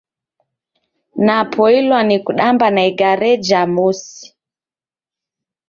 Napoilwa ni kudamba na igare jha mosi